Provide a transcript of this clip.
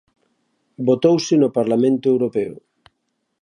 Votouse no Parlamento Europeo.